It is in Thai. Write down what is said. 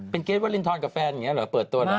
เป็นเกรทวรินทรกับแฟนอย่างนี้เหรอเปิดตัวนะ